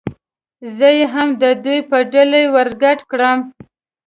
زه یې هم د دوی په ډله ور ګډ کړم.